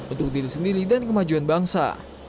untuk diri sendiri dan kemajuan bangsa